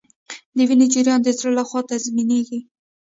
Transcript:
د وینې جریان د زړه لخوا تنظیمیږي